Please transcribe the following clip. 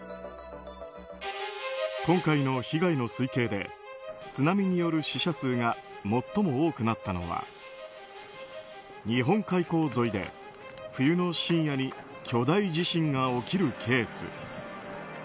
今回の被害の推計で津波による死者数が最も多くなったのは日本海溝沿いで冬の深夜に巨大地震が起きるケース。